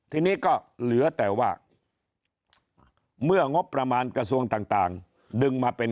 ทีนี้ก็เหลือแต่ว่าเมื่องบประมาณกระทรวงต่างดึงมาเป็น